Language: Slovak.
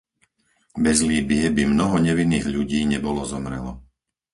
Bez Líbye by mnoho nevinných ľudí nebolo zomrelo.